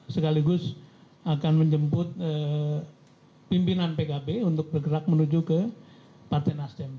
sekaligus akan menjemput pimpinan pkb untuk bergerak menuju ke partai nasdem